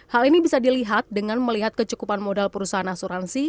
hal ini bisa dilihat dengan melihat kecukupan modal perusahaan asuransi